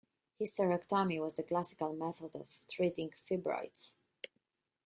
Hysterectomy was the classical method of treating fibroids.